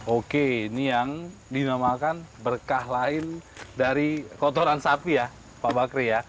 oke ini yang dinamakan berkah lain dari kotoran sapi ya pak bakri ya